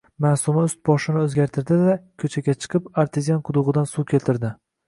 Maʼsuma ust-boshini oʼzgartirdi-da, koʼchaga chiqib, artezian qudugʼidan suv keltirdi.